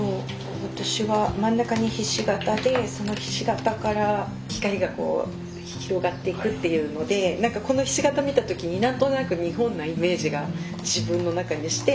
私は真ん中にひし形でそのひし形から光が広がっていくっていうので何かこのひし形を見たときに何となく日本なイメージが自分の中にして。